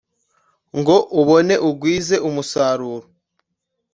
Ngo ubone ugwize umusaruro